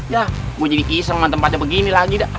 ya gue jadi kisah sama tempatnya begini lagi dah